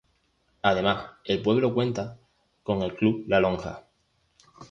Además; el pueblo cuenta con el Club "La Lonja".